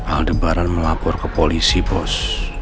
aldebaran melapor ke polisi bos